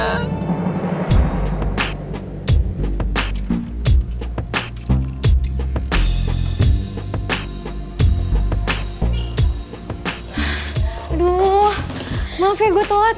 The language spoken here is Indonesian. aduh maaf ya gue telat